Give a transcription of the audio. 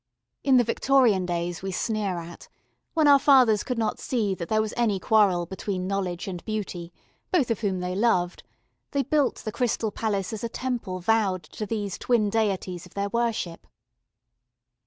In the Victorian days we sneer at, when our fathers could not see that there was any quarrel between knowledge and beauty, both of whom they loved, they built the Crystal Palace as a Temple vowed to these twin Deities of their worship.